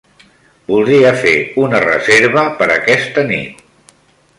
Voldria fer una reserva per aquesta nit.